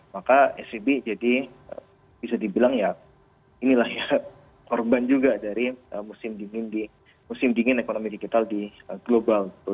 maka svb jadi bisa dibilang ya inilah ya korban juga dari musim dingin ekonomi digital di global